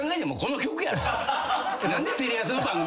何でテレ朝の番組